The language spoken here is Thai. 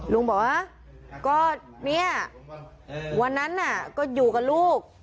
ลุงบอกว่าก็เนี่ยวันนั้นน่ะก็อยู่กับลูก